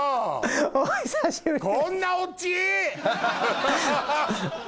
お久しぶりです。